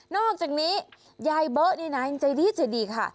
นอกจากนี้ยายเบอะเนี่ยนะใจดีค่ะ